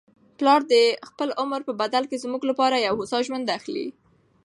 پلار د خپل عمر په بدل کي زموږ لپاره یو هوسا ژوند اخلي.